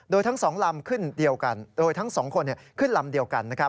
โดยทั้ง๒ลำขึ้นเดียวกันโดยทั้งสองคนขึ้นลำเดียวกัน